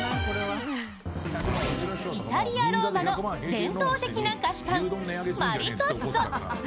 イタリア・ローマの伝統的な菓子パンマリトッツォ！